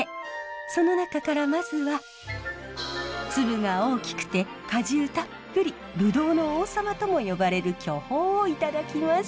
その中からまずは粒が大きくて果汁たっぷりブドウの王様とも呼ばれる巨峰をいただきます。